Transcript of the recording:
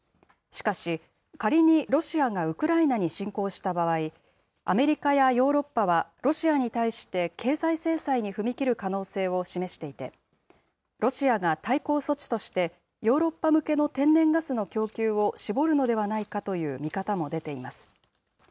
しかし、仮にロシアがウクライナに侵攻した場合、アメリカやヨーロッパはロシアに対して経済制裁に踏み切る可能性を示していて、ロシアが対抗措置として、ヨーロッパ向けの天然ガスの供給を絞るのではないかという見方も出ています。